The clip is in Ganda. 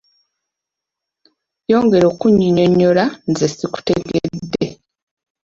Yongera okunyinyonyola nze sikutegedde.